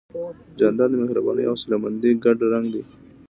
جانداد د مهربانۍ او حوصلهمندۍ ګډ رنګ دی.